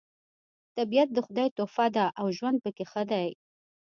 طبیعت د خدای تحفه ده او ژوند پکې ښه دی